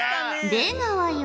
出川よ